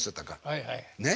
はいはい。ね？